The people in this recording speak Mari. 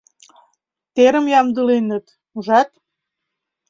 — Терым ямдылынет, ужат?